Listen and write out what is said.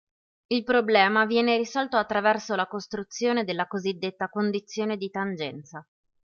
Il problema viene risolto attraverso la costruzione della cosiddetta condizione di tangenza.